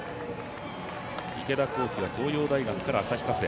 池田向希は東洋大学から旭化成。